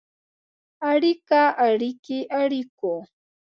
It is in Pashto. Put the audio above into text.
اړیکه ، اړیکې، اړیکو.